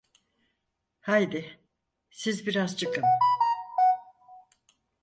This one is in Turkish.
Haydi, siz biraz çıkın!